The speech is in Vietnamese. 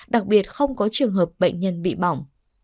đặc biệt không có trường hợp bệnh nhân bị bỏng